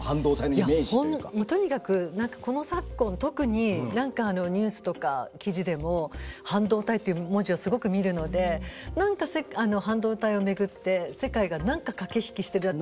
いやとにかくこの昨今特に何かニュースとか記事でも半導体っていう文字をすごく見るので何か半導体を巡って世界が何か駆け引きしてるなって。